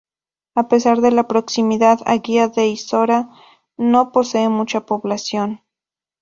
A pesar de la proximidad a Guía de Isora, no posee mucha población.